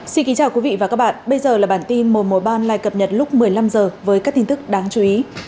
xin kính chào quý vị và các bạn bây giờ là bản tin mùa mùa ban lại cập nhật lúc một mươi năm h với các tin tức đáng chú ý